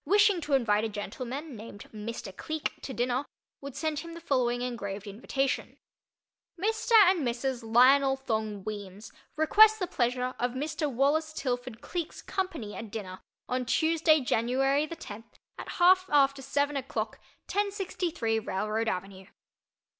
wishing to invite a gentleman named Mr. Cleek to dinner, would send him the following engraved invitation: MR. AND MRS. LIONEL THONG WEEMS request the pleasure of MR. WALLACE TILFORD CLEEK'S company at dinner on Tuesday January the tenth at half after seven o'clock 1063 Railroad Avenue.